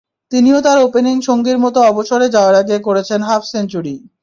তিনিও তাঁর ওপেনিং সঙ্গীর মতো অবসরে যাওয়ার আগে করেছেন হাফ সেঞ্চুরি।